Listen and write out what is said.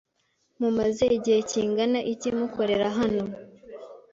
Mumaze igihe kingana iki mukorera hano?